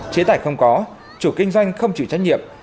chế tài không có chủ kinh doanh không chịu trách nhiệm